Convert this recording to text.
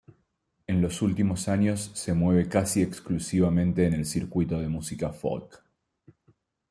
En los últimos años se mueve casi exclusivamente en el circuito de música folk.